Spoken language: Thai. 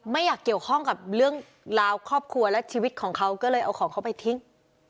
ไม่อยากเกี่ยวข้องกับเรื่องราวครอบครัวและชีวิตของเขาก็เลยเอาของเขาไปทิ้ง